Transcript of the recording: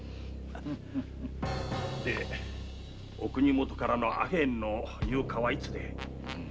お国許からのアヘンの入荷はいつ？